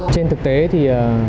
trên thực tế thì